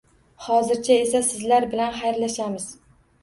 Hozircha esa sizlar bilan hayrlashamiz.